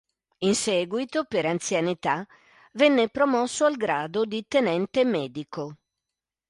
In seguito, per anzianità, venne promosso al grado di Tenente Medico.